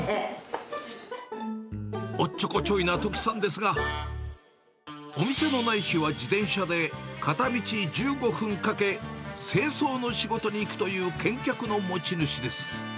おっちょこちょいなトキさんですが、お店のない日は自転車で、片道１５分かけ、清掃の仕事に行くという、健脚の持ち主です。